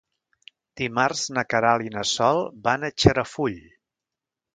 Dimarts na Queralt i na Sol van a Xarafull.